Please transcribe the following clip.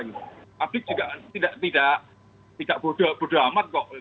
publik juga tidak bodo amat kok